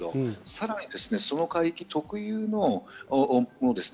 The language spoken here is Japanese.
さらにその海域特有のものです。